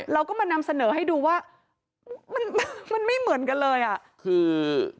เราก็มานำเสนอให้ดูว่ามันมันไม่เหมือนกันเลยอ่ะคือ